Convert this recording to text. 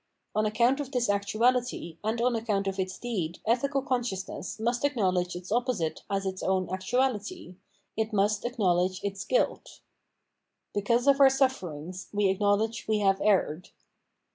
On account of this actuality and on account of its deed ethical consciousness must acknowledge its opposite as its own actuality ; it must acknowledge its guilt. Because of our sufierings we acknowledge we have erred.